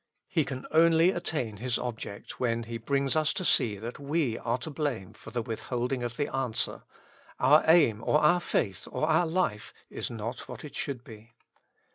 He can only attain His object when He brings us to see that we are to blame for the withholding of the answer ; our aim, or our faith, or our life is not what it should be.